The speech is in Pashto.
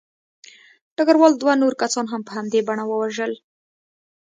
ډګروال دوه نور کسان هم په همدې بڼه ووژل